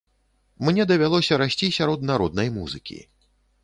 Мне давялося расці сярод народнай музыкі.